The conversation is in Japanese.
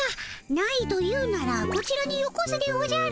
ないと言うならこちらによこすでおじゃる。